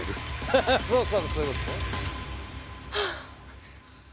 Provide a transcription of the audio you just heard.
ハハそうそうそういうこと。